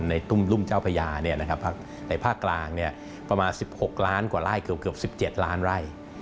รุ่มเจ้าพญาในภาคกลางประมาณ๑๖ล้านกว่าไร่เกือบ๑๗ล้านไร่